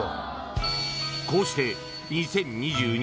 こうして２０２２